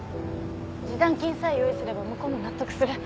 示談金さえ用意すれば向こうも納得する